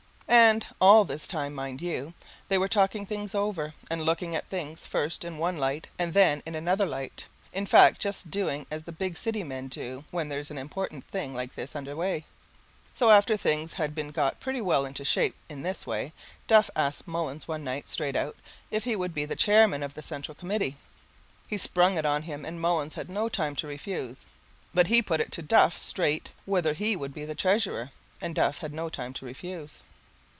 And all this time, mind you, they were talking things over, and looking at things first in one light and then in another light, in fact, just doing as the big city men do when there's an important thing like this under way. So after things had been got pretty well into shape in this way, Duff asked Mullins one night, straight out, if he would be chairman of the Central Committee. He sprung it on him and Mullins had no time to refuse, but he put it to Duff straight whether he would be treasurer. And Duff had no time to refuse.